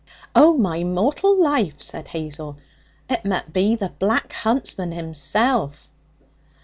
'Oh, my mortal life!' said Hazel, 'it met be the Black Huntsman himself.'